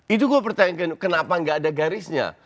itu saya bertanya kenapa tidak ada garisnya